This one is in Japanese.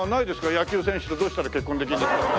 「野球選手とどうしたら結婚できるんですか？」とか。